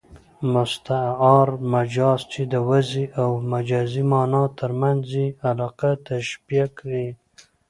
مستعار مجاز، چي د وضعي او مجازي مانا تر منځ ئې علاقه تشبېه يي.